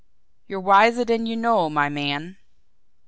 You're wiser than you know, my man.